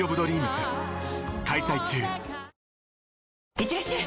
いってらっしゃい！